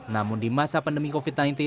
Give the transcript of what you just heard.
namun di masa pandemi covid sembilan belas